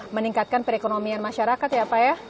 meningkatkan perekonomian masyarakat ya pak ya